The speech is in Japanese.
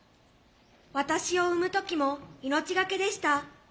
私を産む時も命懸けでした。